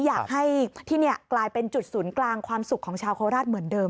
อยากให้ที่นี่กลายเป็นจุดศูนย์กลางความสุขของชาวโคราชเหมือนเดิม